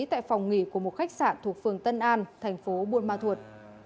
tại phòng nghỉ của một khách sạn thuộc phường tân an thành phố buôn ma thuột